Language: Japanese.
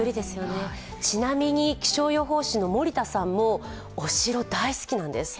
ちなみに、気象予報士の森田さんもお城大好きなんです。